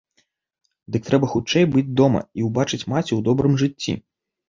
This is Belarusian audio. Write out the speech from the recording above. Дык трэба хутчэй быць дома і ўбачыць маці ў добрым жыцці.